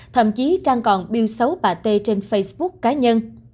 thậm chí trang còn biêu xấu bà t trên facebook cá nhân